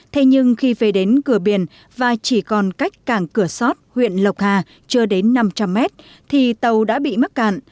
thế nhưng khi về đến cửa biển và chỉ còn cách cảng cửa sót huyện lộc hà chưa đến năm trăm linh mét thì tàu đã bị mắc cạn